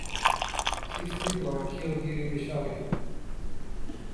Six people were killed during the shooting.